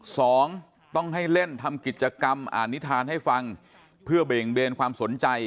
สองต้องให้เล่นทำกิจกรรมอ่านนิทานให้ฟังเพื่อเบ่งเบนความสนใจ